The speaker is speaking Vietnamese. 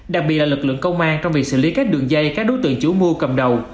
đặc biệt là lực lượng công an trong việc xử lý các đường dây các đối tượng chủ mua cầm đầu